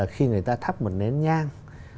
khi người ta thắp một nén nhang